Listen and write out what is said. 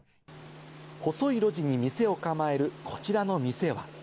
細い路地に店を構えるこちらの店は。